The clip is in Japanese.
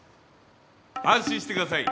安心してください。